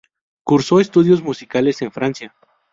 Cursó estudios musicales en Francia.